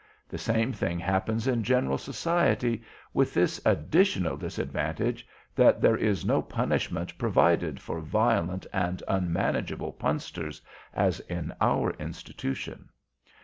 The same thing happens in general society, with this additional disadvantage, that there is no punishment provided for 'violent and unmanageable' Punsters, as in our Institution."